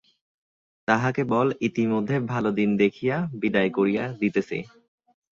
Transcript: তাহাকে বল ইতিমধ্যে ভাল দিন দেখিয়া বিদায় করিয়া দিতেছি।